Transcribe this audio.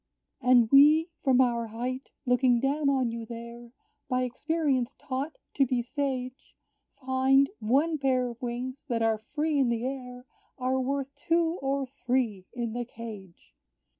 "And we, from our height, looking down on you there, By experience taught to be sage, Find, one pair of wings that are free in the air Are worth two or three in the cage!